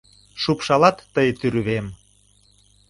Шупшалат тый тÿрвем.